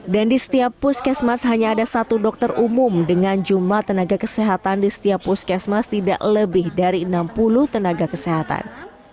dan di setiap puskesmas hanya ada satu dokter umum dengan jumlah tenaga kesehatan di setiap puskesmas tidak lebih dari enam puluh tenaga kesehatan